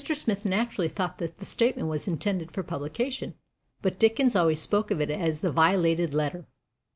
Smith naturally thought that the statement was intended for publication, but Dickens always spoke of it as "the violated letter."